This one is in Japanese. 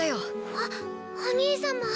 あっお兄様。